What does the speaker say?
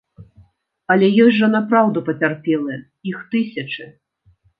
Але ёсць жа напраўду пацярпелыя, іх тысячы.